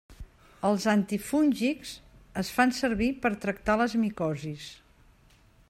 Els antifúngics es fan servir per tractar les micosis.